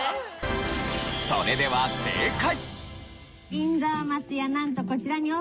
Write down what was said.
それでは正解。